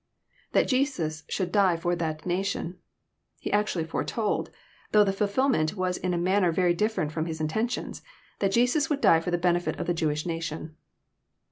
[ That Jesus should die for that nation.] He. actually foretold, though the fUlfllment was in a manner very different from his intentions, that Jesus would die for the benefit of the Jewish nation.